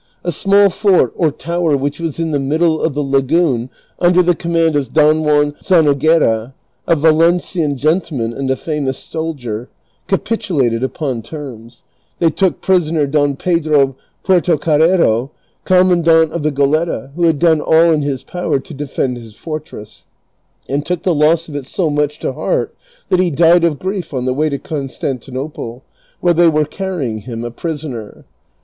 A small fort or tower which was in the middle of the lagoon under the command of Don Juan Zanoguera, a Valencian gentleman and a famous soldicn , ca pitulated upon terms. They took prisoner Don Pedro Puertocarrero. commandant of the Goletta, who had done all in his power to defend his fortress, and took the loss of it so much to heart that he died of grief on the way to Constantinople, where they were carrying him a prisoner.